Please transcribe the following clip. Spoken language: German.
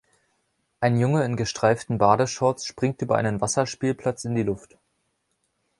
Ein Junge in gestreiften Badeshorts springt über einen Wasserspielplatz in die Luft.